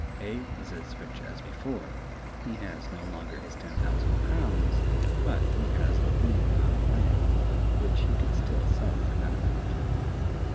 A is as rich as before; he has no longer his ten thousand pounds, but he has a lien on the land, which he could still sell for that amount.